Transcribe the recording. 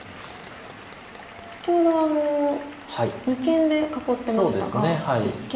先ほどは二間で囲ってましたが一間の方を。